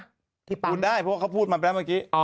พูดได้เพราะว่าเขาพูดมาแปลงเมื่อกี้